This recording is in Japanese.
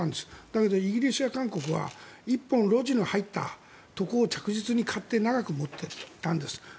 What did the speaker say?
だけどイギリスや韓国は１本、路地の入ったところを着実に買って長く持っていたんです。